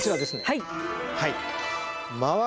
はい。